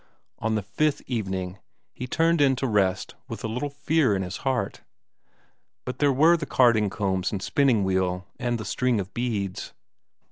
On the fifth evening, he turned in to rest with a little fear at his heart but there were the carding combs and spinning wheel, and the string of beads.